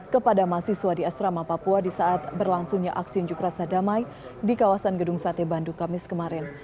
kepada mahasiswa di asrama papua di saat berlangsungnya aksi unjuk rasa damai di kawasan gedung sate bandung kamis kemarin